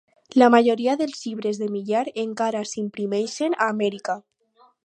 La majoria dels llibres de Millar encara s'imprimeixen a Amèrica.